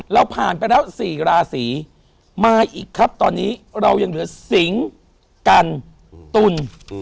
เราผ่านไปแล้ว๔ราศีมาอีกครับตอนนี้เรายังเหลือสิงกันตุล